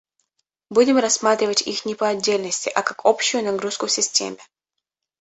Будем рассматривать их не по отдельности, а как общую нагрузку в системе